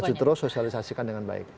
maju terus sosialisasikan dengan baik